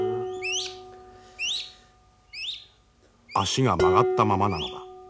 足が曲がったままなのだ。